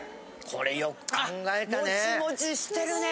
これよく考えたね。